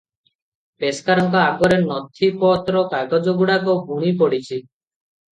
ପେସ୍କାରଙ୍କ ଆଗରେ ନଥିପତ୍ର କାଗଜଗୁଡ଼ାଏ ବୁଣି ପଡିଛି ।